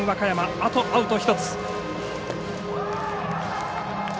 あとアウト１つ。